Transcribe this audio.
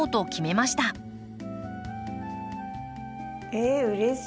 ええうれしい！